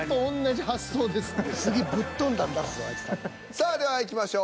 さあではいきましょう。